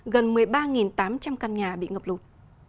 gần một mươi ba tám trăm linh căn nhà bị ngập lụt